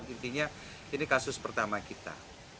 intinya ini kasus pertama kita